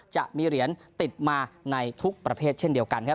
จะมีเหรียญติดมาในทุกประเภทเช่นเดียวกันครับ